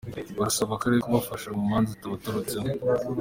Barasaba akarere kubafasha mu manza zitabaturutseho